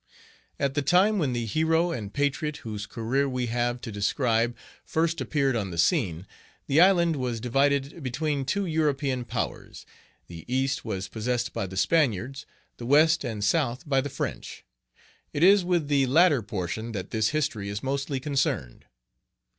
At the time when the hero and patriot whose career we have to describe first appeared on the scene, the island was divided between two European Powers: the east was possessed by the Spaniards, the west and south by the French. It is with the latter portion that this history is mostly concerned.